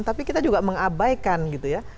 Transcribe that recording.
tapi kita juga mengabaikan gitu ya